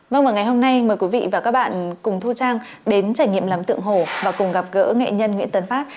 vâng ngày hôm nay mời quý vị và các bạn cùng thu trang đến trải nghiệm làm tượng hồ và cùng gặp gỡ nghệ nhân nguyễn tấn phát